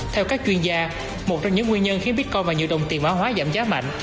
theo các chuyên gia một trong những nguyên nhân khiến bitcoin và nhiều đồng tiền mã hóa giảm giá mạnh